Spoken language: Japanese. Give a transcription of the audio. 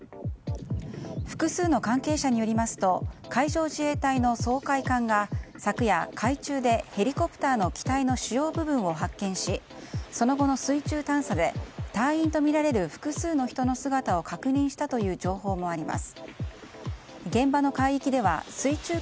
複数の関係者によりますと海上自衛隊の掃海艦が昨夜、海中でヘリコプターの機体の主要部分を発見しその後の水中探査で隊員とみられる複数の人の姿を確認したという情報もあります。